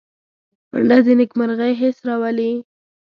منډه د نېکمرغۍ حس راولي